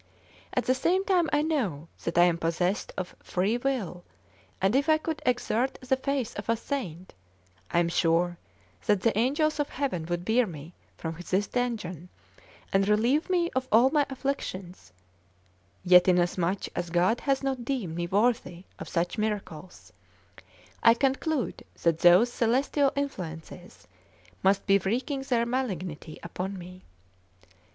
At the same time I know that I am possessed of free will, and if I could exert the faith of a saint, I am sure that the angels of heaven would bear me from this dungeon and relieve me of all my afflictions, yet inasmuch as God has not deemed me worthy of such miracles, I conclude that those celestial influences must be wreaking their malignity upon me.